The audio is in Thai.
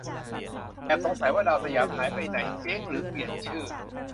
แอบสงสัยว่า ดาวสยาม หายไปไหน เจ๊งหรือเปลี่ยนชื่อ